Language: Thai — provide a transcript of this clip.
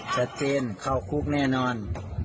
ชัดเจนเข้าคุกแน่นอน